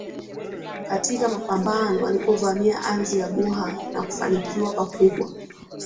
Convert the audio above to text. katika mapambano walipovamia ardhi ya buha na kufanikiwa pakubwa